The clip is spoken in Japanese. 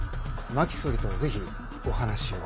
真木総理と是非お話を。